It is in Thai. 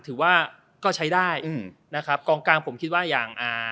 ถือว่าก็ใช้ได้อืมนะครับกองกลางผมคิดว่าอย่างอ่า